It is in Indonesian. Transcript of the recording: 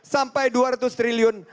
sampai dua ratus triliun